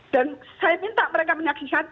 dan saya minta mereka menyaksikan